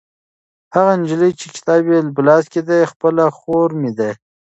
هغه نجلۍ چې کتاب یې په لاس کې دی خپله خور مې ده.